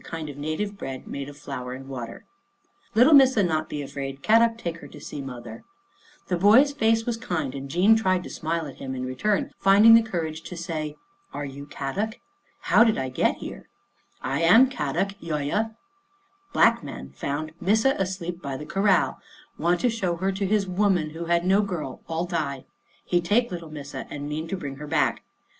1 Kind of native bread made of flour and water. 78 Our Little Australian Cousin The boy's face was kind and Jean tried to smile at him in return, finding courage to say, " Are you Kadok? How did I get here? "" I am Kadok, yoia. 1 Black man found little Missa asleep by the corral. Want to show her to his woman who had no girl, all die. He take little Missa and mean to bring her back.